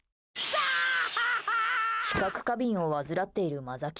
知覚過敏を患っているマザ吉。